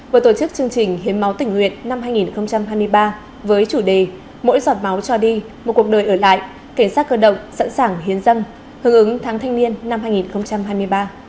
vừa tổ chức chương trình hiến máu tỉnh nguyện năm hai nghìn hai mươi ba với chủ đề mỗi giọt máu cho đi một cuộc đời ở lại cảnh sát cơ động sẵn sàng hiến dân hương ứng tháng thanh niên năm hai nghìn hai mươi ba